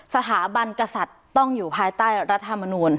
สถาบันกษัตริย์ต้องอยู่ภายใต้รัฐธรรมนูล